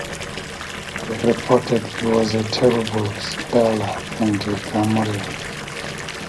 He reportedly was a terrible speller and grammarian.